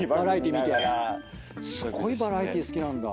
すごいバラエティー好きなんだ。